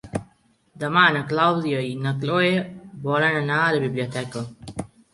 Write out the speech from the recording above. Demà na Clàudia i na Cloè volen anar a la biblioteca.